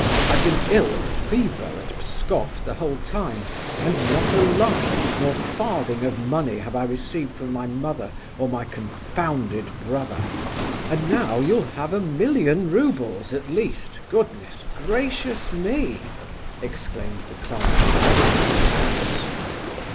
I've been ill of fever at Pskoff the whole time, and not a line, nor farthing of money, have I received from my mother or my confounded brother!" "And now you'll have a million roubles, at least—goodness gracious me!" exclaimed the clerk, rubbing his hands.